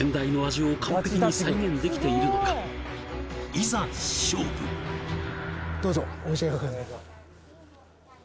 いざ勝負どうぞお召し上がりください